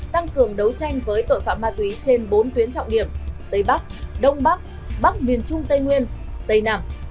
tăng cường đấu tranh với tội phạm ma túy trên bốn tuyến trọng điểm tây bắc đông bắc bắc miền trung tây nguyên tây nam